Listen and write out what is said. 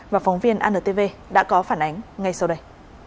và phóng viên antv đã có phản ánh ngay sau đây